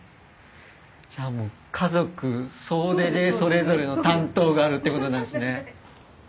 じゃあもう家族総出でそれぞれの担当があるってことなんですね。